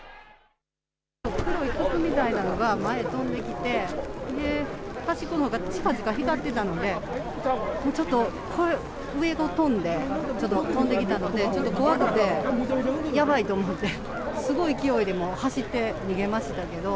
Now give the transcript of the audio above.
黒い筒みたいなのが前に飛んできて端っこのほうがちかちか光っていたので、上を飛んできたのでちょっと怖くてやばいと思って、すごい勢いでもう走って逃げましたけど。